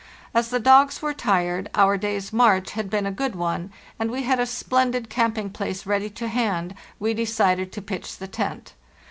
As the dogs were tired, our day's march had been a good one, and we had a splendid camping place ready to hand, we decided to pitch the tent.